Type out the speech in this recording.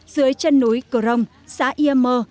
dưới chân núi cờ rông xã yê mơ